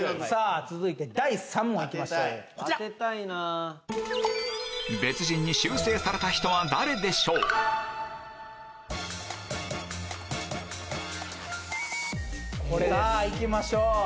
さぁ行きましょう。